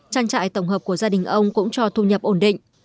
trang trại tổng hợp của gia đình ông cũng cho thu nhập ổn định